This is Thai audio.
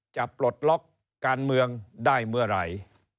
ปลดล็อกการเมืองได้เมื่อไหร่